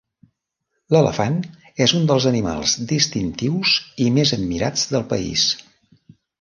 L'elefant és un dels animals distintius i més admirats del país.